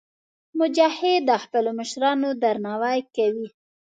مجاهد د خپلو مشرانو درناوی کوي.